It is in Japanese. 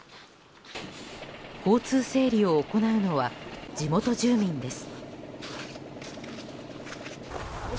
交通整理を行うのは地元住民です。